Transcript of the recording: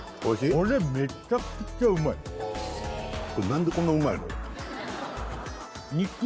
これなんでこんなうまいの？